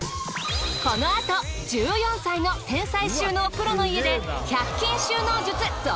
この後１４歳の天才収納プロの家で１００均収納術続々！